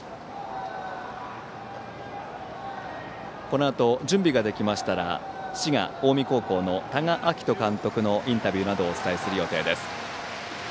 このあと準備ができましたら滋賀・近江高校の多賀章仁監督のインタビューなどをお伝えする予定です。